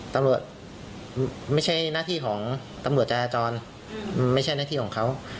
ตำรวจไม่ใช่หน้าที่ของตำรวจจราจรไม่ใช่หน้าที่ของเขา